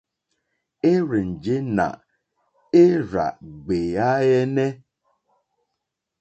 Érzènjé nà érzàɡbèáɛ́nɛ́hwɛ́.